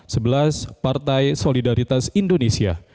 sebelas partai solidaritas indonesia